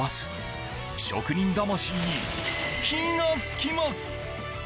職人魂に火がつきます。